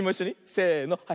せのはい。